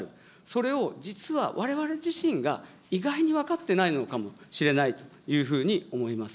それを実はわれわれ自身が意外に分かっていないのかもしれないというふうに思います。